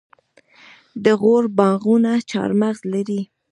د غور باغونه چهارمغز لري.